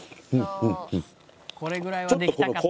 「これぐらいはできたかったな」